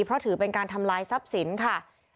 เพราะถือเป็นการทำลายทรัพย์สินค่ะ